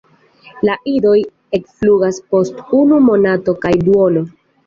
La idoj ekflugas post unu monato kaj duono.